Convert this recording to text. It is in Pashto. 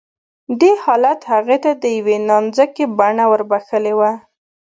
دې حالت هغې ته د يوې نانځکې بڼه وربښلې وه